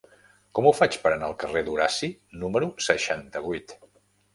Com ho faig per anar al carrer d'Horaci número seixanta-vuit?